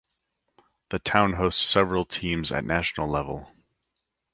The town hosts several teams at national level.